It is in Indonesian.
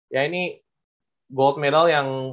ya ini gold middle yang